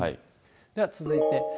では続いて。